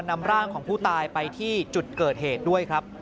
นำร่างของผู้ตายไปที่จุดเกิดเหตุด้วยครับ